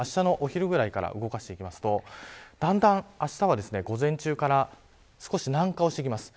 あしたの昼くらいから動かしていきますとだんだんあしたは午前中から少し南下をしてきます。